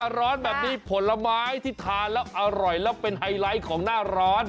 ร้อนแบบนี้ผลไม้ที่ทานแล้วอร่อยแล้วเป็นไฮไลท์ของหน้าร้อน